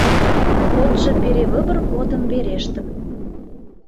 Кодшо перевыбор годым верештым.